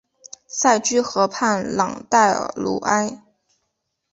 塞居河畔朗代尔鲁埃。